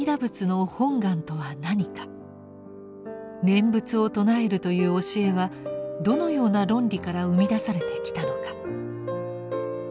念仏を称えるという教えはどのような論理から生み出されてきたのか。